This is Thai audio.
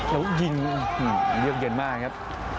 แล้วยิงเยือกเย็นมากครับ